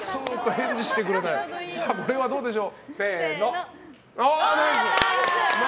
これはどうでしょう？